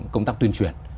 công tác tuyên truyền